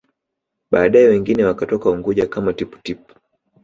Baadae wengine wakatoka Unguja kama Tippu Tip